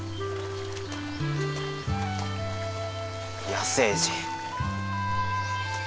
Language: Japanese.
野生児。